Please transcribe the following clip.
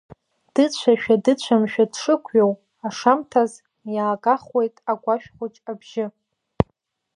Дыцәашәа-дыцәамшәа дшықәиоу, ашамҭаз, иаагахуеит агәашә хәыҷ абжьы.